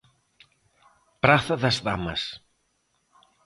Praza das Damas.